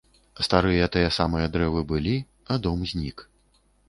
Старыя тыя самыя дрэвы былі, а дом знік.